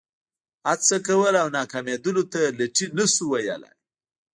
هڅه کول او ناکامېدلو ته لټي نه شو ویلای.